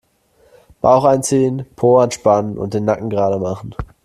Bauch einziehen, Po anspannen und den Nacken gerade machen.